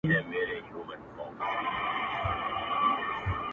هغه خو ټوله ژوند تاته درکړی وو په مينه;